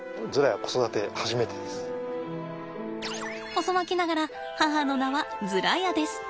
遅まきながら母の名はズラヤです。